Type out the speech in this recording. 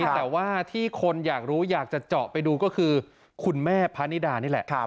แต่ว่าที่คนอยากรู้อยากจะเจาะไปดูก็คือคุณแม่พะนิดานี่แหละ